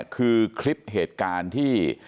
คือคลิปเหตุการณ์ที่